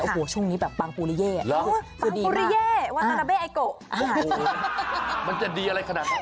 โอ้โฮช่วงนี้แบบปางปูริเย่แล้วน่าจะดีอะไรขนาดนั้น